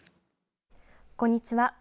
こんにちは。